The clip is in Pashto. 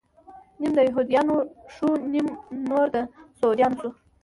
نيم د يهود يانو شو، نيم نور د سعوديانو شو